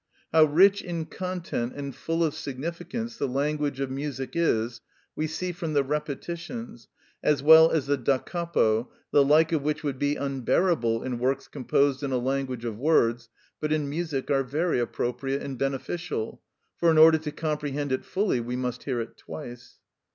How rich in content and full of significance the language of music is, we see from the repetitions, as well as the Da capo, the like of which would be unbearable in works composed in a language of words, but in music are very appropriate and beneficial, for, in order to comprehend it fully, we must hear it twice.